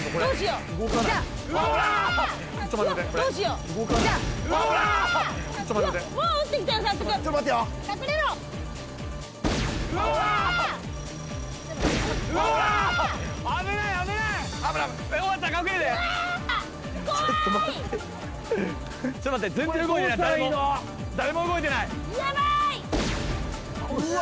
うわ！